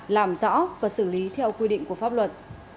làm rõ và xử lý theo quy định của pháp luật